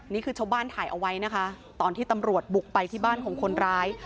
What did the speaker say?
นี่คือชาวบ้านถ่ายเอาไว้นะคะตอนที่ตำรวจบุกไปที่บ้านของคนร้าย